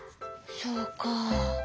そうか。